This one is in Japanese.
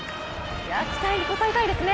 期待に応えたいですね。